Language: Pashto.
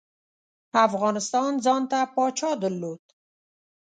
افغانستان ځانته پاچا درلود.